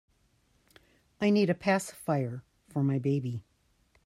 I need a pacifier for my baby.